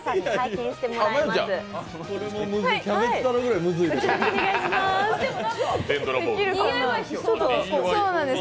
キャベツ太郎ぐらいむずいで。